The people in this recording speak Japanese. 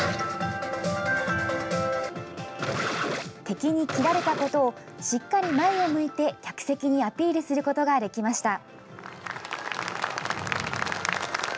敵に斬られたことをしっかり前を向いて客席にアピールすることができました。